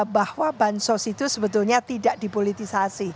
bahwa bansos itu sebetulnya tidak dipolitisasi